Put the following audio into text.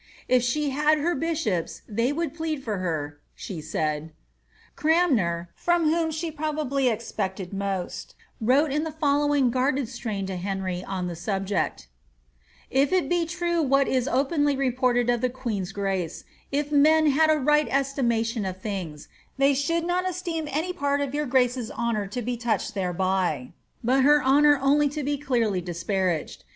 ^^ If she had her bishops they would plead for her," she said.* Cianmer, from whom she probably expected most, wrote in the fol lowing guarded strain to Henry on the subject :—*^ If it be true what is openly reported of the queen's grace, if men had a right estimation of things, they should not esteem any part of your grace's honour to be touched thereby, but her honour only to be clearly disparaged.